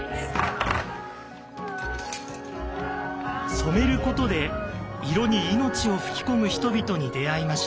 「染めること」で色に命を吹き込む人々に出会いました。